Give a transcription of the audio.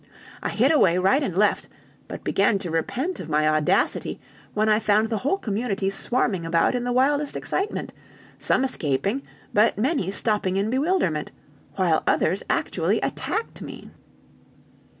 I hit away right and left, but began to repent of my audacity when I found the whole community swarming about in the wildest excitement, some escaping, but many stopping in bewilderment, while others actually attacked me.